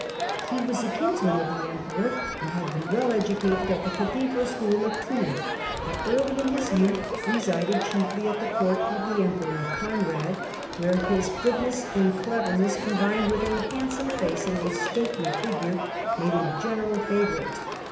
He was a kinsman of the emperor, and had been well educated at the cathedral school of Toul, but early in his youth resided chiefly at the court of the emperor Conrad, where his Digitized by VjOOQIC Progress op the Reforming Movement 25 goodness, and cleyerness, combined with a handsome face and stately figure, made him a general favourite.